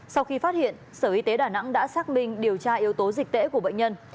sau khi phát hiện sở y tế đà nẵng đã xác minh điều tra yếu tố dịch tễ của bệnh nhân